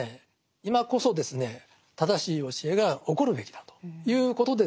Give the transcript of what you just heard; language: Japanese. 今こそですね正しい教えが起こるべきだということでですね